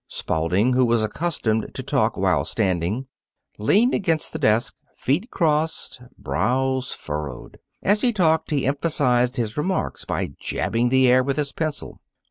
Spalding, who was accustomed to talk while standing, leaned against the desk, feet crossed, brows furrowed. As he talked, he emphasized his remarks by jabbing the air with his pencil.